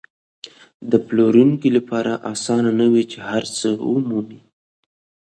د پلورونکو لپاره اسانه نه وه چې هر څه ومومي.